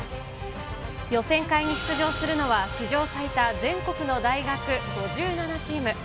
予選会に出場するのは、史上最多全国の大学５７チーム。